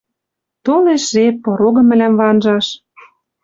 Толеш жеп, порогым мӹлӓм ванжаш —